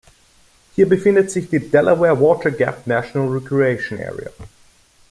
Hier befindet sich die Delaware Water Gap National Recreation Area.